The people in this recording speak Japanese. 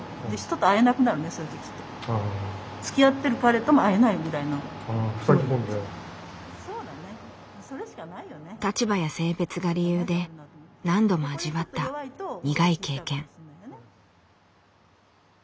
例えば？立場や性別が理由で何度も味わった苦い経験。